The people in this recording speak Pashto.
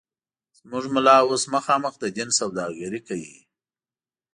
زموږ ملا اوس مخامخ د دین سوداگري کوي